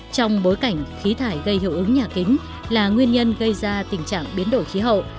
trong bối cảnh khí thải gây hiệu ứng nhà kính là nguyên nhân gây ra tình trạng biến đổi khí hậu